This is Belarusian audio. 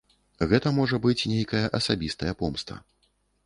Гэта можа быць нейкая асабістая помста.